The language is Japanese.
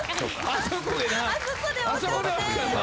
あそこで分かって。